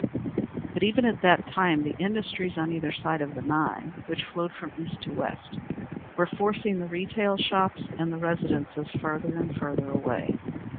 But even at that time the industries on either bank of the Nye, which flowed from east to west, were forcing the retail shops and the residences further and further away.